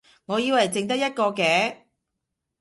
我以為剩得一個嘅